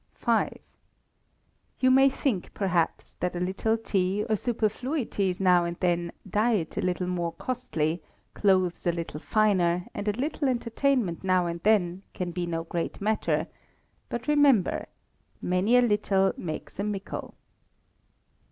v. You may think, perhaps, that a little tea, or superfluities now and then, diet a little more costly, clothes a little finer, and a little entertainment now and then, can be no great matter; but remember, "Many a little makes a mickle."